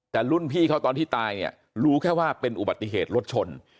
แต่รุ่นพี่เขาตอนที่ตายเนี่ยรู้แค่ว่าเป็นอุบัติเหตุรถชน